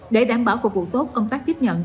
để đảm bảo phục vụ tốt công tác tiếp nhận